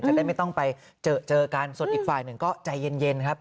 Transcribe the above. จะได้ไม่ต้องไปเจอเจอกันส่วนอีกฝ่ายหนึ่งก็ใจเย็นครับ